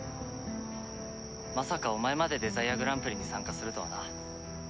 まさかお前までデザイアグランプリに参加するとはな。